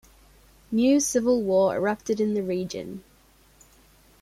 New civil war erupted in the region.